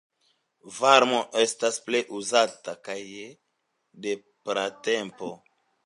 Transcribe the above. Varmo estas plej uzata, kaj de pratempo.